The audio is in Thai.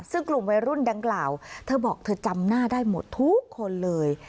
ซึ่งกลุ่มวัยรุ่นดังกล่าวเธอบอกเธอจำหน้าได้หมดทุกคนเลย